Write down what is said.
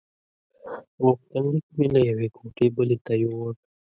غوښتنلیک مې له یوې کوټې بلې ته یووړ.